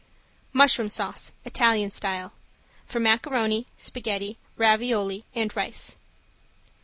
~MUSHROOM SAUCE, ITALIAN STYLE~ (For macaroni, spaghetti, ravioli and rice.)